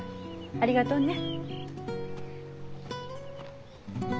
ありがとうね。